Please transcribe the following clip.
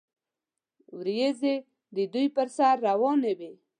وریځې د دوی پر سر روانې وې.